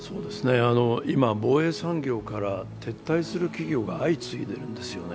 今、防衛産業から撤退する企業が相次いでいるんですよね。